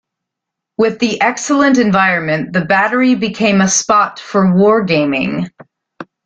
With the excellent environment, the Battery became a spot for wargaming.